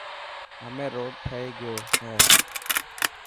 همي روڊ ٺهي گيو هي.